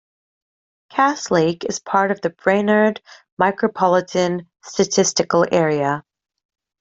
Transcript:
Cass Lake is part of the Brainerd Micropolitan Statistical Area.